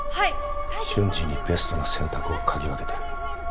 瞬時にベストな選択を嗅ぎ分けてる。